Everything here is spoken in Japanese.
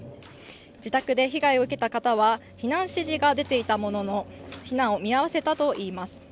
自宅で被害を受けた方は避難指示が出ていたものの避難を見合わせたといいます。